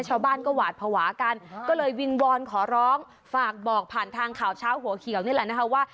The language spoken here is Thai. ชาวบ้านก็หวาดภาวะกันก็เลยวิงวอนขอร้องฝากบอกผ่านทางข่าวเช้าหัวเขียวนี่แหละนะคะว่า